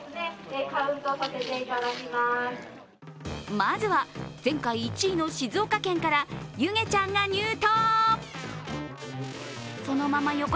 まずは前回１位の静岡県からゆげちゃんが入湯。